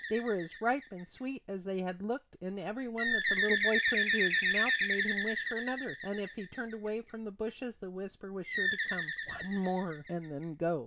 They were as ripe and sweet as they had looked and every one that the little boy put into his mouth made him wish for another; and if he turned away from the bushes the whisper was sure to come: "One more and then go."